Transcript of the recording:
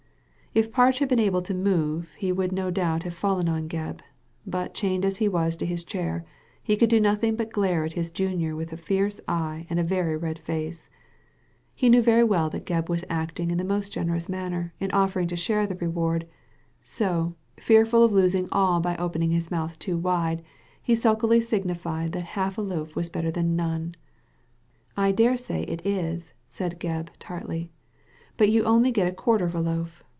If Parge had been able to move he would no doubt have fallen on Gebb ; but chained as he was to his chair, he could do nothing but glare at his junior with a fierce eye and a very red face. He knew very well that Gebb was acting in the most Digitized by Google THE END OF IT ALL 271 generous manner in offering to share the reward, so, fearful of losing all by opening his mouth too wide, he sulkily signified that half a loaf was better than none. I dare say it is," said Gebb, tartly ;*' but you only get a quarter of a loaf.